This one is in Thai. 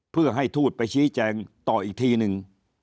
เพื่อให้ทูตไปชี้แจงต่ออีกทีหนึ่ง